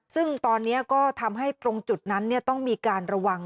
ซึ่งตอนนี้ก็ทำให้ตรงจุดนั้นต้องมีการระวัง